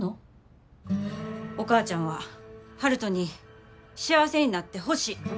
お母ちゃんは悠人に幸せになってほしい。